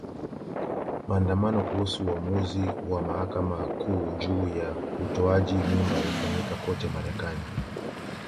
Maandamano kuhusu uamuzi wa Mahakama Kuu juu ya utoaji mimba yafanyika kote Marekani